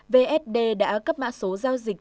vsd đã cấp mã số giao dịch